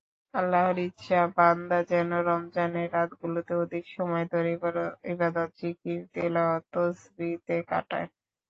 আল্লাহর ইচ্ছা বান্দা যেন রমজানের রাতগুলোতে অধিক সময় ধরে ইবাদত–জিকির–তিলাওয়াত–তসবিহতে কাটায়।